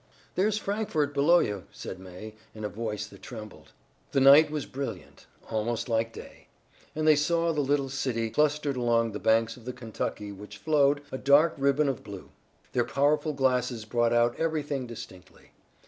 "There's Frankfort below you," said May in a voice that trembled. The night was brilliant, almost like day, and they saw the little city clustered along the banks of the Kentucky which flowed, a dark ribbon of blue. Their powerful glasses brought out everything distinctly.